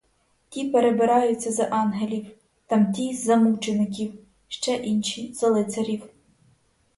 Ті перебираються за ангелів, тамті за мучеників, ще інші за лицарів.